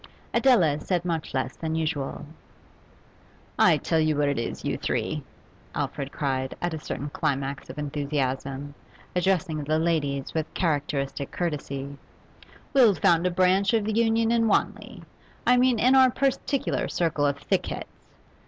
Adela said much less than usual. 'I tell you what it is, you three!' Alfred cried, at a certain climax of enthusiasm, addressing the ladies with characteristic courtesy, 'we'll found a branch of the Union in Wanley; I mean, in our particular circle of thickheads.